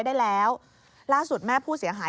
ได้แล้วล่าสุดแม่ผู้เสียหาย